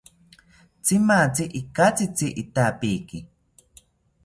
Tzimatzi ikatzitzi itapiki